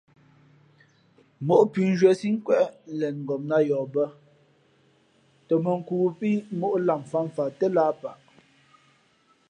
Móʼ pʉ̌nzhwīē síʼ nkwéʼ lěn ngopnāt yαα bᾱ tα mᾱ nkū pí móʼ lamfǎmfam tά lǎh paʼ.